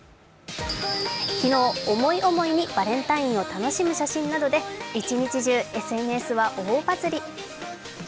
昨日、思い思いにバレンタインを楽しむ写真などで一日中ＳＮＳは大バズリ。